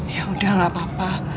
yaudah gak papa